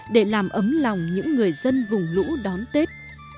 để làm ấm lòng những người dân vùng lũ đón tết